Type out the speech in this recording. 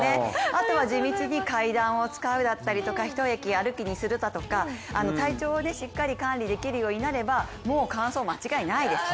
あとは地道に階段を使うだったりとか１駅歩きにするだとか体調をしっかり管理できるようになればもう、完走間違いないです。